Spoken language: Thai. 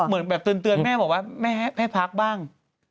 เหมือนแบบเตือนแม่บอกว่าแม่ให้พักบ้าง